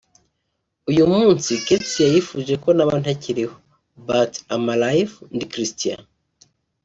uyu munsi Kethia yifuje ko naba ntakiriho but I'm alive ndi Christian